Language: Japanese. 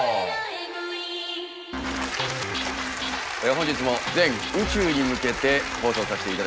本日も全宇宙に向けて放送させていただきます。